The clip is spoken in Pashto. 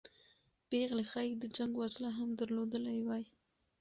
پېغلې ښایي د جنګ وسله هم درلودلې وای.